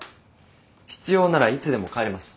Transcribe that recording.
必要ならいつでも帰れます。